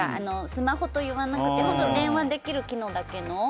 スマホといわなくても電話できる機能だけの。